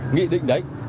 nghị định đấy